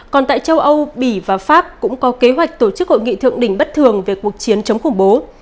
còn tại châu âu bỉ và pháp cũng có kế hoạch tổ chức hội nghị thượng đỉnh bất thường về cuộc chiến chống khủng bố